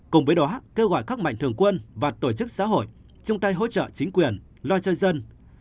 cùng với đó kêu gọi các mạnh thường quân và tổ chức xã hội chung tay hỗ trợ chính quyền lo cho dân